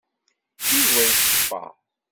Yuba iṣeffer.